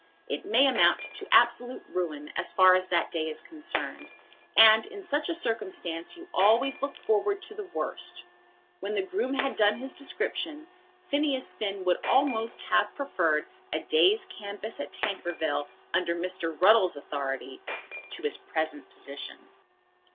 It may amount to absolute ruin, as far as that day is concerned; and in such a circumstance you always look forward to the worst. When the groom had done his description, Phineas Finn would almost have preferred a day's canvass at Tankerville under Mr. Ruddles's authority to his present position.